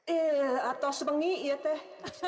eh atau seminggu ya teh